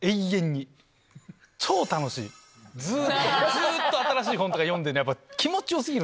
ずっと新しい本とか読んでるの。